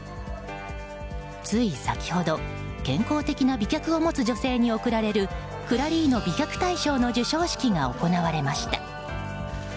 つい先ほど、健康的な美脚を持つ女性に贈られるクラリーノ美脚大賞の授賞式が行われました。